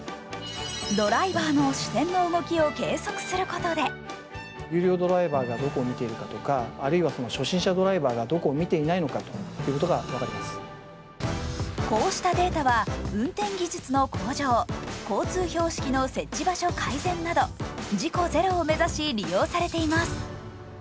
ドライバーの視線の動きを計測することでこうしたデータは運転技術の向上、交通標識の設置場所改善など事故ゼロを目指し利用されています。